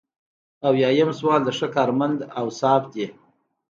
اویایم سوال د ښه کارمند اوصاف دي.